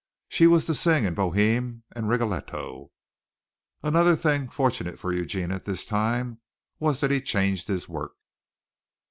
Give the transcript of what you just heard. She was to sing in "Bohème" and "Rigoletto." Another thing, fortunate for Eugene at this time, was that he changed his work.